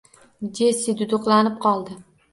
Jessi duduqlanib qoldi